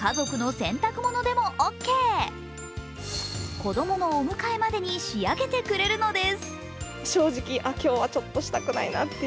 子供のお迎えまでに仕上げてくれるのです。